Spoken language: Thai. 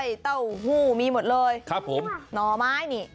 เต้าหู้มีหมดเลยครับผมหน่อไม้นี่